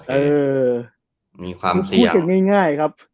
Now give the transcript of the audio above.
อ๋อเออมีความเสี่ยงพูดเป็นง่ายง่ายครับ